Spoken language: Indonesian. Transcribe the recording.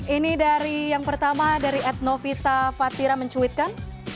ini dari yang pertama dari ednovita fatira mencuitkan